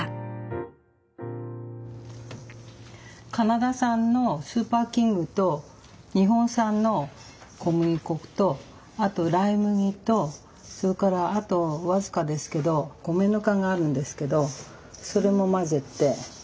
カナダ産のスーパーキングと日本産の小麦粉とあとライ麦とそれからあと僅かですけど米ぬかがあるんですけどそれも混ぜて。